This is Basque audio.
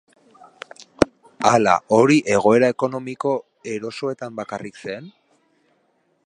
Ala hori egoera ekonomiko erosoetan bakarrik zen?